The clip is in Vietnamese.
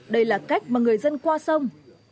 đây là cách mà người dân qua sông